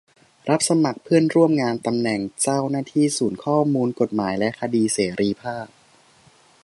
รับสมัครเพื่อนร่วมงานตำแหน่งเจ้าหน้าที่ศูนย์ข้อมูลกฎหมายและคดีเสรีภาพ